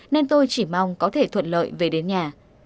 nên tôi chỉ mong có thể thuận lợi về đến nhà